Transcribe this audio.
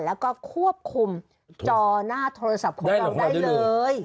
แล้วก็ควบคุมจอหน้าโทรศัพท์ของเราได้เลย